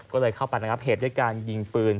ก็เลยเข้าไประงับเหตุด้วยการยิงปืน